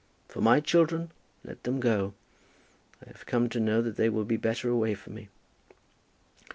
For my children, let them go. I have come to know that they will be better away from me."